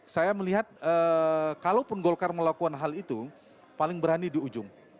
saya melihat kalaupun golkar melakukan hal itu paling berani di ujung